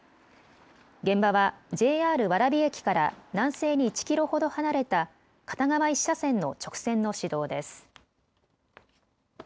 現場はＪＲ蕨駅から南西に１キロほど離れた片側１車線の直線の市道です。